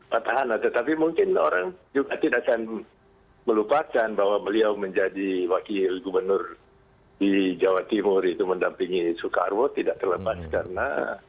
petahana tetapi mungkin orang juga tidak akan melupakan bahwa beliau menjadi wakil gubernur di jawa timur itu mendampingi soekarwo tidak terlepas karena